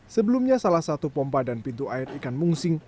sebelumnya salah satu pompa dan pintu air ikan mungsing